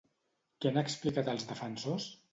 Què han explicat els defensors?